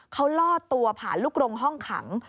เขาล่อตัวผ่านลูกโรงห้องขัง